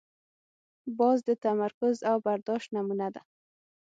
باز د تمرکز او برداشت نمونه ده